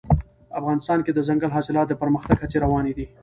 افغانستان کې د دځنګل حاصلات د پرمختګ هڅې روانې دي.